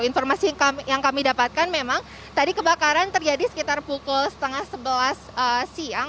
informasi yang kami dapatkan memang tadi kebakaran terjadi sekitar pukul setengah sebelas siang